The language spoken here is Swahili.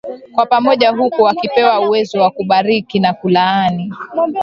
Kwa pamoja huku wakipewa uwezo wa kubariki na kulaani